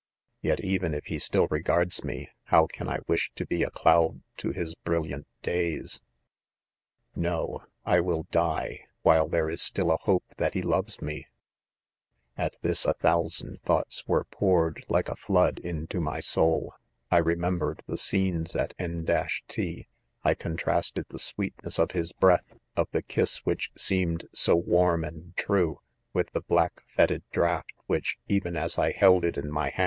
Yet, even if he still regards me, how can i wish to be a cloud to his brilliant days 1 « Q No ! I will die, while there is still a hope that he loves me !— at this a thousand thoughts were poured like a flood into 'my soul. I re° membered' the scenes at N —: t*; ! con trasted, the sweetness of his breath — of ihe kiss which seemed ' so warni and true, with the black foetid' draught, which, even as I held it 'in g2 .my.